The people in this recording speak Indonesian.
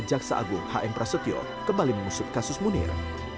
jaksa agung hm prasetyo kembali mengusut kasus munir